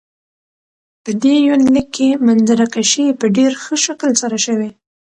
په دې يونليک کې منظره کشي په ډېر ښه شکل سره شوي.